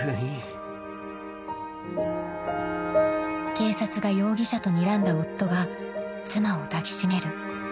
［警察が容疑者とにらんだ夫が妻を抱き締める］